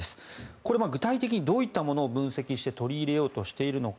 これは具体的にどういったものを分析して取り入れようとしているのか。